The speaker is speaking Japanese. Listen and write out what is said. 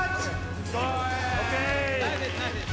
ＯＫ！